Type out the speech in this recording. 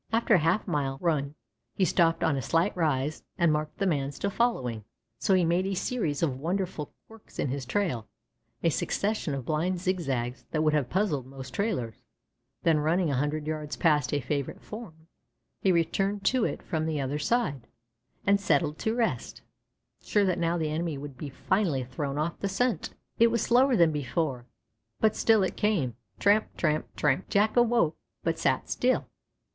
After a half a mile run he stopped on a slight rise and marked the man still following, so he made a series of wonderful quirks in his trail, a succession of blind zigzags that would have puzzled most trailers; then running a hundred yards past a favorite form, he returned to it from the other side, and settled to rest, sure that now the enemy would be finally thrown off the scent. It was slower than before, but still it came "tramp, tramp, tramp." Jack awoke, but sat still.